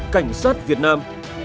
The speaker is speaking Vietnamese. cảnh sát việt nam